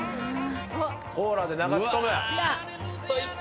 コーラで流し込む。